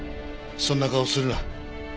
そんな顔をするな。